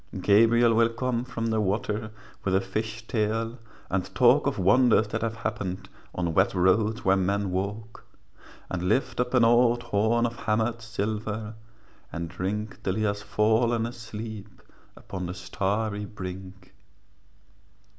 Gabriel will come from the water With a fish tail, and talk Of wonders that have happened On wet roads where men walk, And lift up an old horn Of hammered silver, and drink Till he has fallen asleep Upon the starry brink.